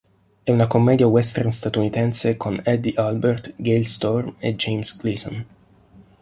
È una commedia western statunitense con Eddie Albert, Gale Storm e James Gleason.